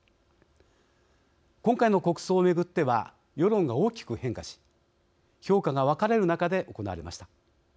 今回の国葬を巡っては世論が大きく変化し評価が分かれる中で行われました。